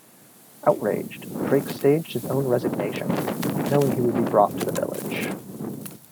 Outraged, Drake staged his own resignation, knowing he would be brought to the Village.